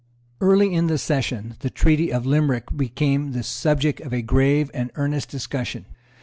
Early in the Session the Treaty of Limerick became the subject of a grave and earnest discussion.